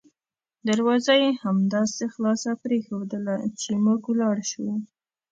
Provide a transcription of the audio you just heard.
دروازه یې همداسې خلاصه پریښودله چې موږ ولاړ شوو.